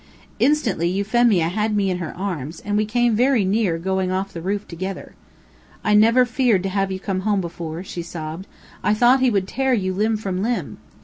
Instantly Euphemia had me in her arms, and we came very near going off the roof together. "I never feared to have you come home before," she sobbed. "I thought he would tear you limb from limb."